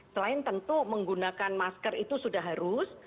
selain tentu menggunakan masker itu sudah harus